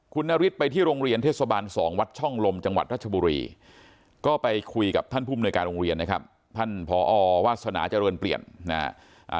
คุณนฤทธิไปที่โรงเรียนเทศบาล๒วัดช่องลมจังหวัดรัชบุรีก็ไปคุยกับท่านผู้มนวยการโรงเรียนนะครับท่านผอวาสนาเจริญเปลี่ยนนะฮะ